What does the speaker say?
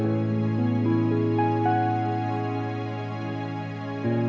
kayanya apa opa devin ngerti